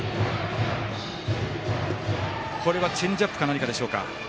これはチェンジアップかなにかでしょうか。